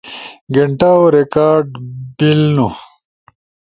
گینٹاؤ ریکارڈ بیلنو